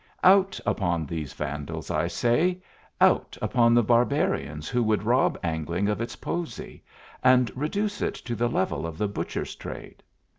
Out upon these vandals, I say out upon the barbarians who would rob angling of its poesy, and reduce it to the level of the butcher's trade!